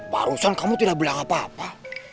barusan kamu tidak bilang apa apa